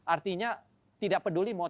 artinya tidak peduli mau